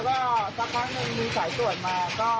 ก็แค่มีเรื่องเดียวให้มันพอแค่นี้เถอะ